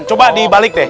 coba dibalik deh